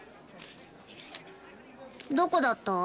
どこだった？